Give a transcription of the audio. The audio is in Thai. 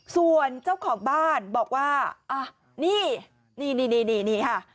ส่วนเจ้าของบ้านบอกว่านี่นี่ค่ะ